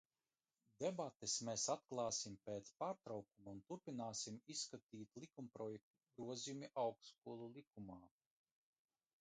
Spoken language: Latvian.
"Debates mēs atklāsim pēc pārtraukuma un turpināsim izskatīt likumprojektu "Grozījumi Augstskolu likumā"."